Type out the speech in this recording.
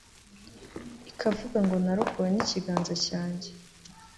ikavuga ngo 'narokowe n'ikiganza cyanjye